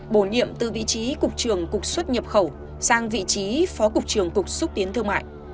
bổ nhiệm từ vị trí cục trưởng cục xuất nhập khẩu sang vị trí phó cục trưởng cục xúc tiến thương mại